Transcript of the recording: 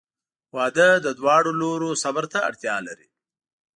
• واده د دواړو لورو صبر ته اړتیا لري.